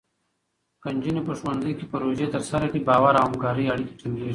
که نجونې په ښوونځي کې پروژې ترسره کړي، باور او همکارۍ اړیکې ټینګېږي.